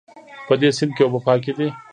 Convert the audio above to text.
په دې سیند کې اوبه پاکې دي